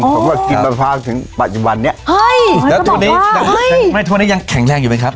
เพราะว่ากินมะพร้าถึงปัจจุบันนี้เฮ้ยแล้วก็บอกว่าเฮ้ยไม่ทั่วนี้ยังแข็งแรงอยู่ไหมครับ